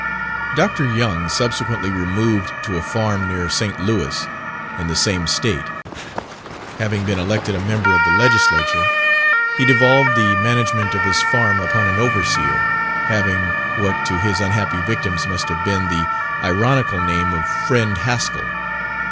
Dr. Young subsequently removed to a farm near St. Louis, in the same State. Having been elected a Member of the Legislature, he devolved the management of his farm upon an overseer, having, what to his unhappy victims must have been the ironical name of "Friend Haskall."